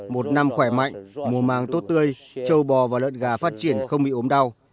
một năm khỏe mạnh mùa màng tốt tươi châu bò và lợn gà phát triển không bị ốm đau